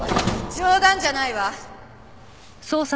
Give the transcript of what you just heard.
冗談じゃないわ！